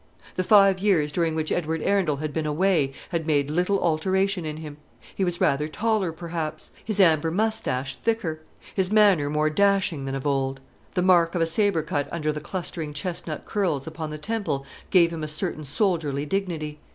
The five years during which Edward Arundel had been away had made little alteration in him. He was rather taller, perhaps; his amber moustache thicker; his manner more dashing than of old. The mark of a sabre cut under the clustering chestnut curls upon the temple gave him a certain soldierly dignity.